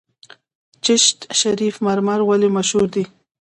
چشت شریف مرمر ولې مشهور دي؟